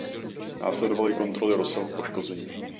Následovaly kontroly rozsahu poškození.